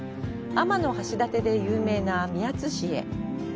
天橋立で有名な宮津市へ。